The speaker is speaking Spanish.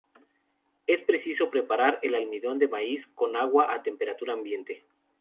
Es preciso preparar el almidón de maíz con agua a temperatura ambiente.